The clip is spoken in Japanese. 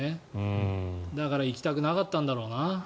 だから行きたくなかったんだろうな。